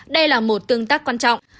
đây là một tương tác quan trọng